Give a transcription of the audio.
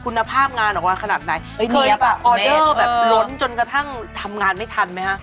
คุณภาพงานออกมาขนาดไหนเคยแบบออเดอร์แบบล้นจนกระทั่งทำงานไม่ทันไหมฮะ